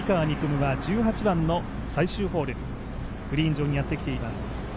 夢は１８番の最終ホールグリーン上にやってきています。